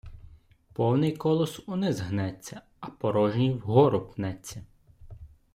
Повний колос униз гнеться, а порожній вгору пнеться.